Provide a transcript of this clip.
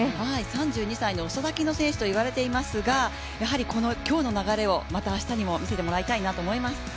３２歳の遅咲きの選手といわれていますが今日の流れをまた明日にも見せてもらいたいなと思います。